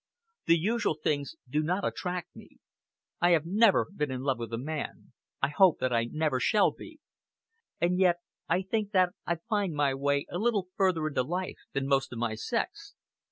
The usual things do not attract me; I have never been in love with a man. I hope that I never shall be. And yet I think that I find my way a little further into life than most of my sex."